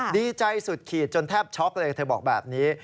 ดีใจสุดขีดจนแทบช็อกเลยเธอบอกแบบนี้